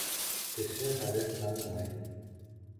Кеше хәреф танымай.